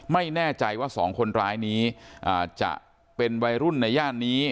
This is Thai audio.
ไม่แน่ใจว่าสองคนร้ายนี้จะเป็นวัยรุ่นในย่านนี้